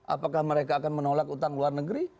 apakah mereka akan menolak utang luar negeri